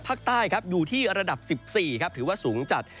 ภาคใต้ครับอยู่ที่ระดับ๑๔ครับถือว่าสูงจัด